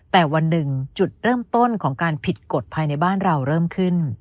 แต่วันหนึ่งจุดเริ่มต้นของการผิดกฎภายในบ้านเราเริ่มขึ้น